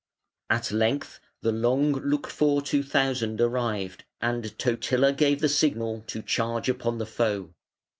At length the long looked for two thousand arrived, and Totila gave the signal to charge upon the foe.